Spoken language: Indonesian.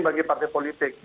bagi partai politik